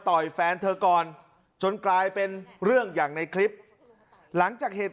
ยแฟนเธอก่อนจนกลายเป็นเรื่องอย่างในคลิปหลังจากเหตุ